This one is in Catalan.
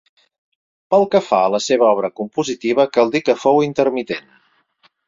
Pel que fa a la seva obra compositiva cal dir que fou intermitent.